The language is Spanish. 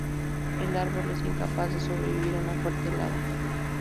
El árbol es incapaz de sobrevivir una fuerte helada.